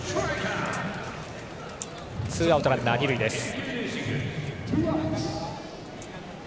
ツーアウトランナー、二塁です。